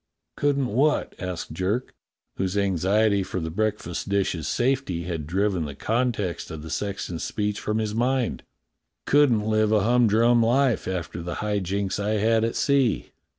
"Couldn't what?" asked Jerk, whose anxiety for the breakfast dishes' safety had driven the context of the sexton's speech from his mind. *' Couldn't live a humdrum life after the high jinks I had at sea."